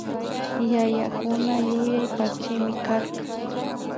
Yayakuna yuyay pakchimi karka